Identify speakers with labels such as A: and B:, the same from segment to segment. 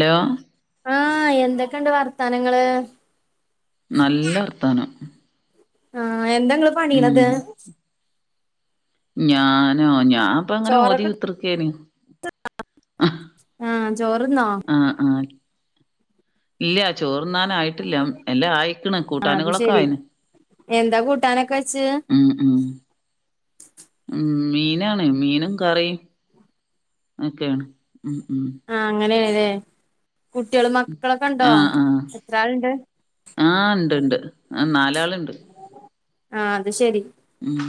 A: Hello
B: ആ എന്തൊക്കെണ്ട് വർത്താനങ്ങള്
A: നല്ല വർത്താനം
B: ആഹ് എന്താ ഇങ്ങള്
A: ഉം
B: പണീണത്
A: ഞാനോ ഞാ ഇപ്പ ഇങ്ങനെ ഓതി
B: ചോറൊക്കെ
A: ഉത്രക്കേന്
B: ആഹ് ചോറ്ന്നോ
A: ആഹ് ആഹ് ഇല്ല ചോറ്ണ്ണാനായി ട്ടില്ല എല്ലാം ആയിക്കണ്
B: അത് ശെരി
A: കൂട്ടാന്കളൊക്കായിന്
B: എന്താ കൂട്ടാനൊക്കെച്ച്
A: ഉം ഉം ഉം മീനാണ് മീനും കറിയും ഒക്കെയാണ് ഉം ഉം
B: ആഹ് അങ്ങനെല്ലെ കുട്ടികളും മക്കളൊക്ക്ണ്ടോ
A: ആഹ് ആഹ്
B: എത്രാള്ണ്ട്
A: ആഹ് ഇണ്ട് ഇണ്ട് ആഹ് നാലാള്ണ്ട്
B: ആഹ് അത്ശെരി
A: ഉം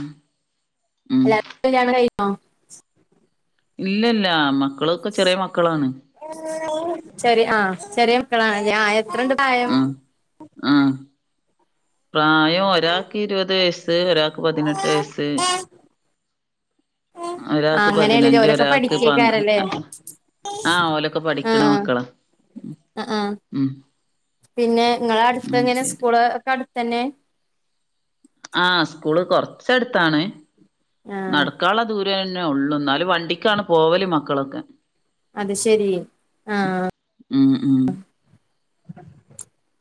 A: ഉം
B: എല്ലാര്ക്കും കല്യാണം കയിഞ്ഞോ
A: ഇല്ലല്ല മക്കളൊക്കെ ചെറിയ മക്കളാണ്
B: ചെറി ആഹ് ചെറിയ മക്കളാണ് ഞാ ആ
A: ആഹ് ആഹ് പ്രായം ഒരാക്കിരുപത് വയസ്സ് ഒരാക്ക് പതിനെട്ട് വയസ്സ്
B: ആഹ്
A: ഒരാക്ക്
B: അങ്ങനെയാണല്ലേ
A: പതിനഞ്ച്
B: ഓലൊക്കെ
A: ഒരാക്ക് പന്ത്ര
B: പഠിക്കേക്കാരല്ലേ
A: ആഹ് ഓലൊക്കെ പഠിക്കണ
B: ആഹ്
A: മക്കളാ
B: ആഹ് ആഹ്
A: ഉം
B: പിന്നെ
A: അത്
B: ഇങ്ങളട്ത്തെങ്ങനെ
A: ശരി
B: സ്കൂള് ഒക്കടുത്തന്നെ
A: ആഹ് സ്കൂള് കൊറച്ചടുത്താണ്
B: ആഹ്
A: നടക്കാള്ള ദൂ ന്നുള്ളൂ എന്നാല് വണ്ടിക്കാണ് പോവല് മക്കളൊക്കെ
B: അത്ശെരി ആഹ്
A: ഉം ഉം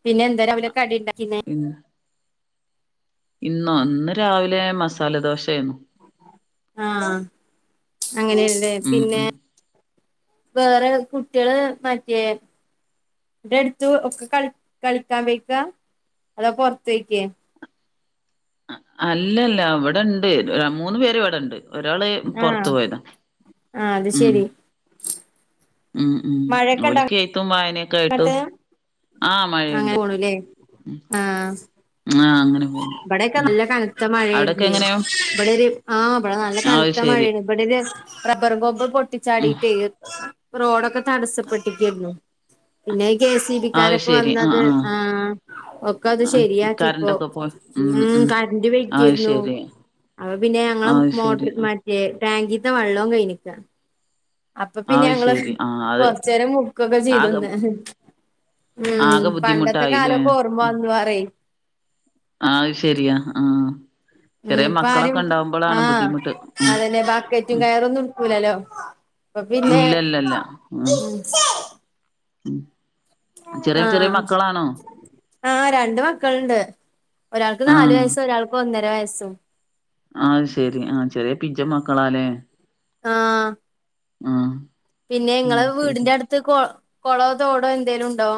B: പിന്നെന്താരാവിലെ കടിയ്ണ്ടാക്കിന്
A: [unintelligible] ഇന്നോ ഇന്ന് രാവിലെ മസാല ദോശയായിരുന്നു
B: ആഹ് അങ്ങനെയല്ലേ
A: ഉം
B: പിന്നെ
A: ഉം
B: വേറെ കുട്ടികള് മറ്റേ എന്തെട്ത്തു ഒക്കെ കളി കളിക്കാൻ പോയിക്കാ അതോ പൊറത്തോയ്ക്കേ
A: അല്ലല്ല ഇവിട്ണ്ട് മൂന്ന് പേരിവിട്ണ്ട് ഒരാള് പൊറത്ത് പോയതാ
B: ആ
A: ഉം
B: അത്ശെരി
A: ഉം ഉം
B: മഴയൊക്കെ ഇണ്ട
A: ഓല്ക്കെയ്ത്തും വായനയൊക്കെ
B: അങ്ങട്ട്
A: ആഹ്
B: അങ്ങനെ
A: മഴയ്ണ്ട്
B: പോണുല്ലേ
A: അങ്ങനെ പോണു
B: ഇവടെയൊക്കെ നല്ല കനത്ത മഴയായിരുന്നെ ഇവടെരു ആഹ് ഇവടെ നല്ല
A: അത്
B: കനത്ത
A: ശരി
B: മഴയായിരുന്നു ഇവടൊരു റബറുംകൊമ്പ്
A: ഉം
B: പൊട്ടിച്ചാടിട്ടേ റോഡൊക്കെ തടസ്സപ്പെട്ടിക്കാരുന്നു പിന്നെ കെ സി
A: അത്
B: ബിക്കാരൊക്കെ
A: ശരി ആഹ്
B: വന്നത്
A: ആഹ്
B: ആ ഒക്കത്
A: ആഹ്
B: ശെരിയാക്കിപ്പൊ
A: കറണ്ടൊക്കെ പോയി
B: ഉം കറന്റ്
A: അത്
B: പോയിക്കാരുന്നു
A: ശരി
B: അപ്പൊ പിന്നെ ഞങ്ങള്
A: അത് ശരി
B: മോട്ടറ്
A: ആ.
B: ട്ടെ ടാങ്കീത്തെ വെള്ളവും കയിഞ്ഞിക്ക അപ്പൊ
A: അത്
B: പിന്നങ്ങള്
A: ശരി ആഹ് അത്
B: കൊറച്ചേരം മുക്കൊക്കെ
A: ആകെ
B: ചെയ്തുന്ന് ഉം
A: ആകെ
B: പണ്ടത്തെ
A: ബുദ്ധിമുട്ടായില്ലേ
B: കാലൊക്കോർമ്മ വന്നു പറയ്
A: ആ അത് ശെരിയാ ആഹ്
B: ഉം
A: ചെറിയ
B: ഇപ്പാരും
A: മക്കളൊക്കെ ഉണ്ടാവുമ്പോളാണ്
B: ആഹ്
A: ബുദ്ധിമുട്ട് ഉം
B: അതന്നെ ബക്കറ്റും
A: ഉം
B: കയറൊന്നെട്ക്കൂലല്ലോ അപ്പൊ പിന്നെ ഉം
A: [unintelligible] ചെറിയ ചെറിയ മക്കളാണോ
B: ആ രണ്ട് മക്കള്ണ്ട് ഒരാൾക്ക് നാല്
A: ആഹ്
B: വയസ്സും ഒരാൾക്കൊന്നര വയസ്സും
A: ആത്ശെരി ആ ചെറിയ പിഞ്ച് മക്കളാലേ
B: ആഹ് പിന്നെ ഇങ്ങളെ
A: അത് ശരി
B: വീടിന്റെടുത്ത് കൊ കൊളോ തോടോ എന്തേലുണ്ടോ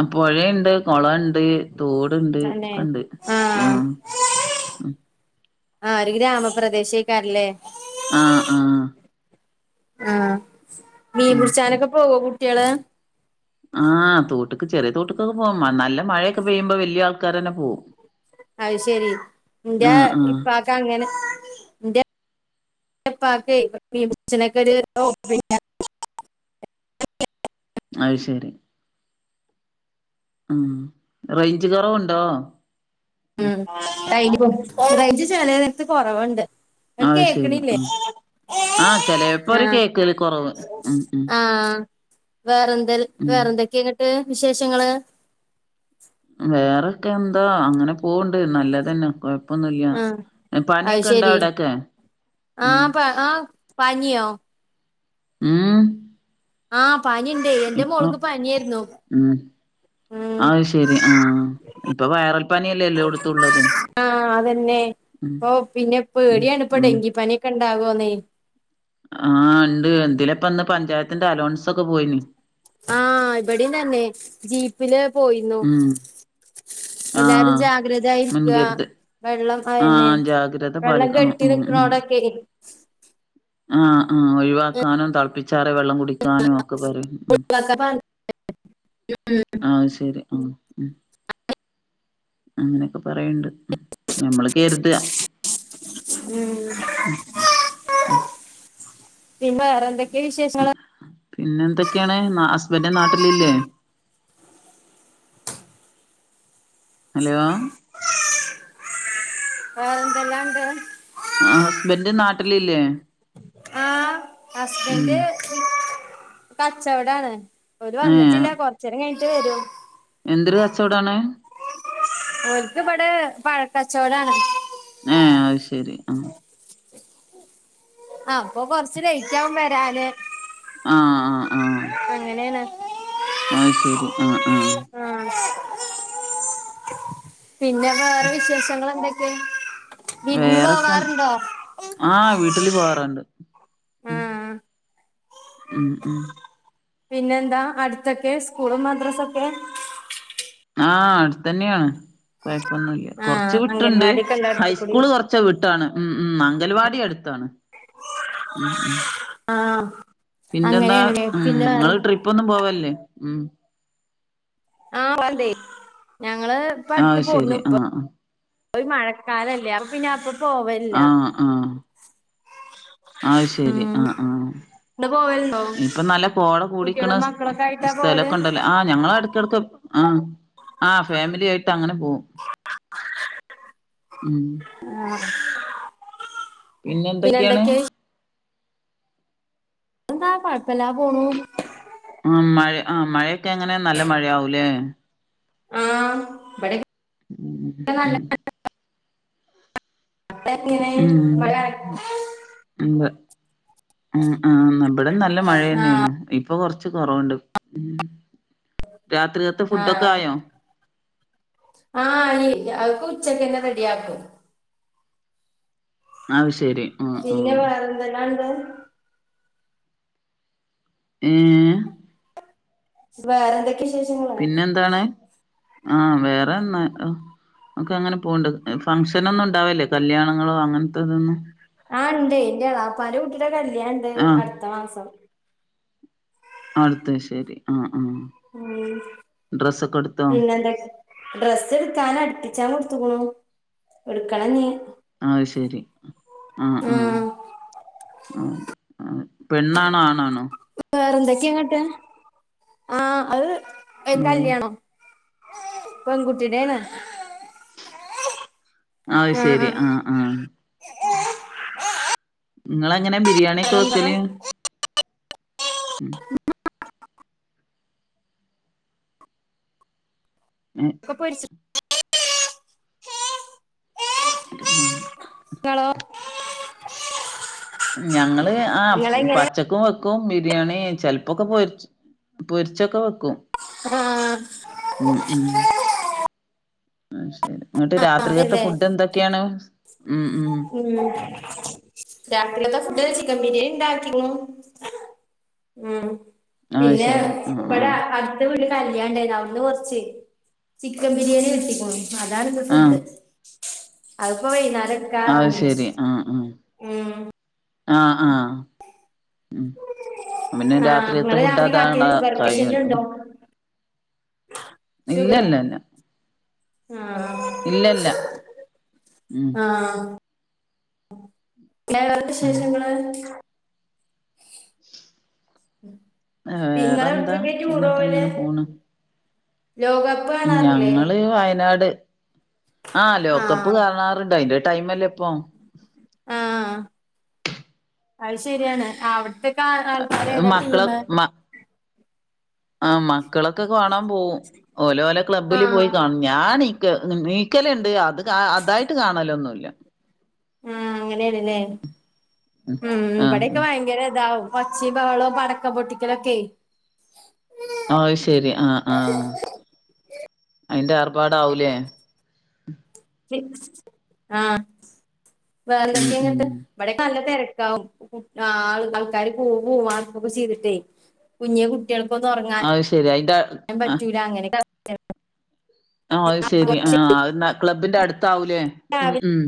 A: അ പൊഴേണ്ട് ണ്ട് കോളണ്ട് തോട്ണ്ട്
B: തന്നെ
A: ഒക്ക ഉണ്ട് ആ
B: ആഹ് ആ ഒരു ഗ്രാമപ്രദേശേക്കാറല്ലേ
A: ആഹ ആഹ
B: ആ മീം
A: ആഹ് ശരി
B: പിടിച്ചാനൊക്കെ പോവോ കുട്യാള്
A: ആഹ് തോട്ടുക്ക് ചെറിയ തോട്ടക്കൊക്കെ പോക നല്ല മഴയൊക്കെ പെയ്യുമ്പോ വലിയ ആൾക്കാര തന്നെ പോകും
B: അത് ശെരി ന്റെ
A: ആഹ്
B: ഇപ്പക്കെ അങ്ങനെറെ ന്റപ്പാക്ക് പിന്നെ [unintelligible]
A: അത് ശരി ഉം റേഞ്ച് കുറവുണ്ടോ
B: ഉം [unintelligible] ചേലെ നേരത്ത് കൊറവുണ്ട്
A: അത് ശരി
B: കേക്കണില്ലേ
A: ആഹ് ആഹ് ചെലേപ്പോ ഒരു
B: ആഹ
A: കേക്കല് കൊറവ് ഉം ഉം
B: ആഹ വേറെന്ത
A: ഉം
B: വേറെ എന്തൊക്കെയ ഇങ്ങിട്ട് വിശേഷങ്ങള്
A: വേറെൊക്കെ എന്താ അങ്ങനെ പൂവണ്ട് നല്ലതന്നെ
B: ആഹ്
A: കൊഴപ്പൊന്നുമല്ല പനിയൊക്കെ ഇണ്ടാവ ഇവിടയൊക്കെ
B: ആഹ പ ആ പനിയോ
A: ഉം
B: ആഹ പനിണ്ടെയേ എന്റെ
A: ഇപ്പൊ
B: മോൾക്ക് പനിയേയിരുന്നു
A: അഹ് ശെരി ആഹ ഇപ്പൊ വയറൽ പനല്ലേല്ലോ യെല്ലോടുത്തുള്ളത്
B: ആഹ അ തന്നെ ഇപ്പൊ പിന്നെ
A: ഉം
B: പേടിയാണ് ഇപ്പോ
A: ഉം
B: ഡെങ്കി പനിയൊക്കെ ഉണ്ടാകുവോന്നേ
A: ആഹ് ഉണ്ട് എന്തില ഇപ്പ ഇന്ന് പഞ്ചായത്തിന്റെ അലോൻസ ഒക്കെ പോയിന്
B: ആഹ് ഇവിടെന്നന്നെ ജീ ഇതില് പോയിരുന്നു
A: ഉം
B: എല്ലാരും
A: ആഹ്
B: ജാഗ്രതായിരിക്ക
A: മുൻകരുത്
B: വെള്ളം അതന്നെ
A: ആഹ് ജാഗ്രത
B: വെള്ളം
A: പാലിക്ക ഉം
B: കെട്ടി
A: ഉം ഉം
B: നിക്കണോടൊക്കെ
A: ആഹ് ആഹ് ഒഴിവാക്കാനും തിളപ്പിച്ചാറെേ വെള്ളം കുടിക്ക [unintelligible] ഉം ആഹ് ശെരി ആഹ് ഉം അങ്ങനെയൊക്കെ പറയണ്ട് നമ്മള് കെര്താ
B: ഉം
A: ഉം ഉം
B: പിന്നെ വേറെ
A: ഉം പിന്നെ എന്തൊക്കെയാണ് ഹസ്ബൻഡന്റെ നാട്ടിലല്ലേ ഹലോ
B: വേറെ എന്തെല്ലാംണ്ട്
A: ആഹ് ഹസ്ബൻഡ് നാട്ടിലില്ലേ
B: ആഹ്
A: ഉം
B: ഹസ്ബൻഡ് കച്ചവടാണ് ഒരു
A: ഏഹ്
B: വന്നിട്ടില്ല കൊറച്ച നേരം കഴിട്ട് വരൂ
A: എന്തൊരു കച്ചവടാണ്
B: ഒക്ക് ഇവിടെ പഴക്കച്ചോടാണ്
A: ഏ അത് ശരി ആഹ്
B: ആഹ് അപ്പൊ കൊറച്ച് ലേറ്റ് ആകുമ വരാല്
A: ആഹ് ആഹ് ആഹ്
B: അങ്ങനെയാണ്
A: ആഹ് ശരി ആഹ് ആഹ്
B: ആഹ് പിന്നെ വേറെ വിശേഷങ്ങ എന്തൊക്കെ വിരുന്ന് പോകാറുണ്ടോ
A: ആഹ് വീട്ടില് പോവാറുണ്ട്
B: ആഹ്
A: ഉം ഉം
B: പിന്നെ എന്താ അടുത്തൊക്കെ സ്കൂളും മദ്രാസൊക്കെ
A: ആഹ് അടുത്ത തന്നെയാണ് കുഴപ്പൊന്നുംല്ല കുറച്ച്
B: ആഹ്
A: വിട്ടുണ്ട്
B: അംഗൻവാടിയൊക്കെ ഉണ്ട് അടുത്ത് കൂടി
A: ഹൈസ്കൂള് കൊറച്ച് പച്ച വിട്ടാണ് ഉം ഉം അംഗൽവാടി അടുത്താണ് ഉം ഉം
B: ആഹ്
A: പിന്ന എന്താ
B: അങ്ങനെയാണല്ലേ
A: ഉം
B: പിന്നെ വേറെ
A: നിങ്ങള് ട്രിപ്പ് ഒന്നും പോവല്ലേ ഉം
B: ആഹ് [unintelligible] ഞങ്ങള് ഇപ്പ അടുത്ത്
A: അത്
B: പോന്നു
A: ശരി ആ
B: ഇപ്പ യി മഴക്കാലല്ലേ അപ്പ പിന്നെ അപ്പൊ പോവലില്ല
A: ആ ആഹ് ശരി ആഹ്
B: ഇങ്ങള്
A: ആഹ്
B: [unintelligible]
A: ഇപ്പൊ നല്ല കോട കൂടിക്കണ
B: കുട്ടികളും മക്കളൊക്കെ ആയിട്ടാ പോവല്
A: സ്ഥലമൊക്കെ ഉണ്ടല്ലോ ആഹ് ഞങ്ങള അടക്കിടക്ക് ആഹ് ആഹ് ഫാമിലി ആയിട്ട് അങ്ങനെ പോകും ഉം
B: ആഹ്
A: പിന്നെ എന്തൊക്കെയാണ്
B: എന്താ കുഴപ്പമില്ലാ പോണു
A: ആഹ് മഴ ആഹ് മഴയൊക്കെ എങ്ങനെ നല്ല മഴയാകൂലേ
B: ആഹ് ഇവി
A: ഉം ഉം ഉം ഉണ്ട്
B: [unintelligible]
A: ഉം ആഹ ഇവിടെ നല്ല
B: ആഹ്
A: മഴയന്നെനു ഇപ്പൊ കൊറച്ച് കുറവുണ്ട് രാത്രി
B: ആഹ് ആഹ് അലല്ല അക്ക് ഉച്ചക്ക തന്നെ റെഡിയാക്കും
A: അത് ശരി ഉം
B: പിന്നെ
A: ഉം
B: വേറന്തെല്ലാം ഇങ്
A: ഏ
B: [unintelligible] വിശേഷം [unintelligible]
A: പിന്നെന്താണ് ആ വേറെന്ന് ഒക്കെ അങ്ങനെ പോന്ണ്ട് ഫംഗ്ഷനൊന്നും ഉണ്ടാവല്ലേ കല്യാണങ്ങളോ അങ്ങനത്തെതൊന്നും.
B: ആഹ് ഇണ്ടേയ് ഇന്റെ എളാപ്പാന്റെ കുട്ടിടെ കല്ല്യാണണ്ട്
A: ആഹ്
B: അടുത്ത മാസം.
A: അത് ശരി ആഹ് ആഹ്.
B: ഉം
A: ഡ്രസ്സൊക്കെ എടുത്തോ
B: പിന്നെ എന്തൊക്കെ ഡ്രസ്സ് എടുക്കാന അടുപ്പിച്ചാൻ കൊടുത്തുക്കുണു ഇടുക്കണഞ്ഞീ....
A: ആഹ് ശരി ആഹ് ആഹ് പെണ്ണാണോ ആണാണോ......
B: വേറെന്തൊക്കെയങ്ങട്ട് ആഹ് അത് എന്റെ
A: ഏഹ്
B: കല്ല്യാണോ. പെൺകുട്ടിടേണ്.
A: അത്
B: ആ
A: ശെരി
B: ആ
A: ആഹ് ആഹ്.... ഇങ്ങളെങ്ങനെ ബിരിയാണിയൊക്കെ
B: വേറെന്താ
A: വെക്കല്. ഉം ഏ
B: ഇപ്പൊ പൊരിച്
A: [unintelligible]
B: ട്ട്യേളോ....
A: ഞങ്ങള് ആഹ് പാ
B: നിങ്ങളെങ്ങനെ
A: ഉച്ചക്കും വെക്കും ബിരിയാണി ചിലപ്പൊക്കെ പൊരി പൊരിച്ചൊക്കെ വെക്കും.
B: ആഹ്
A: ഉം ഉം അത് ശരി എന്നിട്ട് രാത്രികത്തെ
B: അതെല്ലേ
A: ഫുഡ് എന്തൊക്കെയാണ് ഉം ഉം
B: ഉം രാത്രിക്കത്തെ ഫുഡ് ചിക്കൻ ബിരേണി ഇണ്ടാക്കിക്കുണു ഉം
A: അത്
B: പിന്നെ
A: ശരി ആ ആ
B: ഇബടെ അ ഇന്ന് ഇവിടൊരു കല്ല്യാണണ്ടായിരുന്നു അവ്‌ട്ന്ന് കുറച്ച് ചിക്കൻ ബിരിയാണി കിട്ടിക്കുണു അതാാണ് ഇന്ന്
A: ആ
B: ഫുഡ് അത്പ്പൊ വൈന്നാരം എട്
A: അത് ശെരി ആഹ് ആഹ്
B: ഉം
A: ആഹ് ആഹ് ഉം അപ്പംപിന്നെ
B: ആഹ്
A: രാത്രിയത്തെ
B: ഇങ്ങള്
A: ഫുഡ്
B: രാത്രി കാട്ടിയത്
A: അതാണാ
B: ഷുഗർ പേഷ്യന്റ്
A: കഴിയോല്ലോ.
B: ഉണ്ടോ ശുഖറുണ്ടോ
A: ഇല്ലല്ല ഇല്ല
B: ആഹ്
A: ഇല്ലല്ല ഉം.
B: ആഹ് പ [unintelligible]
A: ഉം
B: വിശേഷങ്ങള് പി ഇങ്ങളെ
A: വേറെന്താ
B: എവിടക്കൊക്കെ
A: പിന്നൊക്കെ
B: ടൂറോവല്
A: അങ്ങനെ പോണ്
B: ലോക കപ്
A: ഞങ്ങള് വയനാട് ആ ലോകകപ്പ്
B: ആഹ്
A: കാണാറ് ർണ്ട് അതിന്റെ ടൈംമല്ലേ പ്പൊ
B: ആ അത് ശരിയാണ് അവിടുത്തെക്കെ ആള് ആൾക്കാര് ഏതാ
A: മക്കളെ
B: ടീമു.
A: മ ആ മക്കളൊക്കെ കാണാൻ പോവും ഓലോലെ ക്ലബ്ബില് പോയി
B: ആഹ്
A: കാണും. ഞാനീക്ക് നീക്കലുണ്ട് അത് കാ അതായിട്ട് കാണലൊന്നുല്ല.
B: ഉം അങ്ങനേണ്ല്ലേ ഉം.
A: ആ
B: ഇവടെക്കെ ഭയങ്കര ഇതാവും ഒച്ചേ ബഹളോ പടക്കം പൊട്ടിക്കലൊക്കെ
A: അഹ് ശെരി ആഹ് ആഹ് അയിന്റെ ആർഭാടാവൂല്ലേ?
B: [unintelligible] ആഹ്
A: ഉം
B: വേറെന്തൊക്കെ
A: ഉം
B: ഇങ്ങട്ട് ഇബടെക്കെ നല്ല തിരക്കാവും ആഹ് ആൾക്കാാര് കൂവും ആർക്കൊക്കെ ചീതിട്ടേ കുഞ്ഞെ കുട്ട്യേൾക്കൊന്നും ഒ റങ്ങാൻ
A: അത് ശരി അയിന്റെ
B: നും
A: ആ
B: പറ്റൂല അങ്ങനെക്കെ
A: ആഹ് ശെരി ആഹ് ആഹ് അതന്ന ക്ലബ്ബിന്റെ അടുത്താവും ലേ ഉം ഉം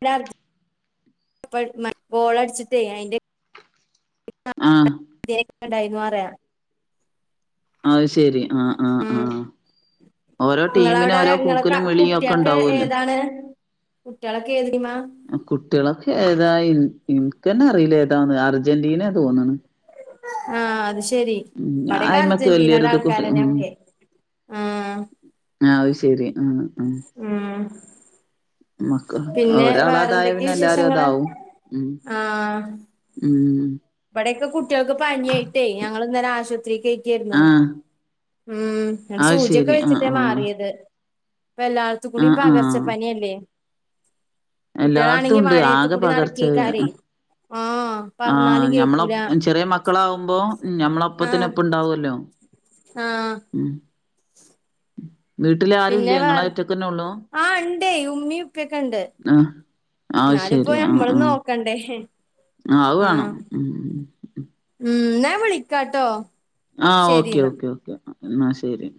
B: [unintelligible] ബോളടിച്ചിട്ടേ അയിന്റെ
A: ആ
B: [unintelligible]
A: അത് ശെരി ആഹ്
B: ഉം
A: ടീമിന്
B: നിങ്ങളവിട
A: ഓരോ
B: നിങ്ങള
A: കൂക്കലും വിളിയും ഒക്കെ
B: കുട്ടിയൊക്കെ
A: ഉണ്ടാവല്ലോ
B: ഏതാണ് കുട്ടിയളൊക്കെ ഏത് ടീമാ.
A: കുട്ടിയളൊക്കെ ഏതാ ഇന്ക്ക്ന്ന അറിയില്ല ഏതാന്ന് അർജന്റീന തോന്നണ്.
B: ആഹ് അത് ശെരി
A: ഉം
B: ഇബടൊക്കെ
A: അയിമക്ക്
B: അർജന്റീനയുടെ
A: വല്യൊരിത് കുറി
B: ആൾക്കാരന്ന
A: ഉം
B: ഒക്കെ ആഹ്
A: ആഹ് അത് ശെരി ആഹ് ആഹ്
B: ഉം
A: മക്ക്
B: പിന്നെ
A: ഒരാളതായ
B: വേറെന്തൊക്കെ
A: പിന്നെ എല്ലാരും
B: വിശേഷങ്ങള്
A: അതാവും ഉം ഉം
B: ഇവിടെക്കെ കുട്ടികൾക്ക് പനിയായിട്ടേ ഞങ്ങള് ഇന്നലെ ആശുപത്രി കഴിക്കായിരുന്നു.
A: ആഹ്
B: ഉം ഇടെ
A: അത്
B: സൂചിയൊക്കെ
A: ശരി ആഹ്
B: വെച്ചിട്ടേ
A: ആഹ്
B: മാറിയത് അപ്പ എല്ലാ കുണിയും
A: ആഹ്
B: പകർച്ച പനിയല്ലേ
A: എല്ലാട്ത്തും ഉണ്ട്
B: മഴയത്ത്
A: ആകെ
B: കൂടി
A: പകർച്ച
B: നടക്കേക്കാരേ ആഹ്
A: ആഹ്
B: പറഞ്ഞാലും
A: ഞമ്മള
B: കേക്കൂല
A: ചെറിയ മക്കളാാവുമ്പോ
B: ആഹ്
A: ഞമ്മളൊപ്പത്തിനൊപ്പണ്ടാവുല്ലോ.
B: ആഹ് പിന്നെ
A: വീട്ടിലാരൂല്ലേ
B: വേറെ
A: ഇങ്ങളായിറ്റക്കന്നെള്ളൂ
B: ആഹ് ഇണ്ട് ഉമ്മിം ഉപ്പിക്കെണ്ട്.
A: ആഹ് ആശെരി ആഹ് ആഹ്
B: ക്കണ്ടേ
A: ആഹ് അവേണം.
B: ഉം ന്നാ വിളിക്കാട്ടോ.
A: ആഹ്
B: ശരി
A: ഓക്കെ
B: എന്നാ
A: ഓക്കെ ഓക്കെ ന്നാ ശെരി.